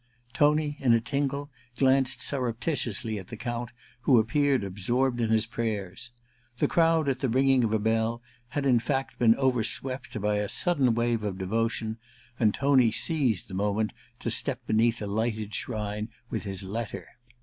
Tony, in a tingle, glanced surreptitiously at the Count, who appeared absorbed in his prayers. The crowd, at the ringing of a bell, had in fact been, over swept by a sudden wave of devotion ; and Tony seized the moment to step beneath a lighted shrine with his letter.